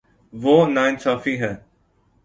وہ نا انصافی ہے